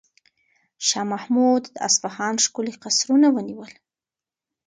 شاه محمود د اصفهان ښکلي قصرونه ونیول.